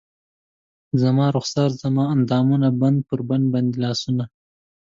زما رخسار زما اندامونه بند پر بند باندې لاسونه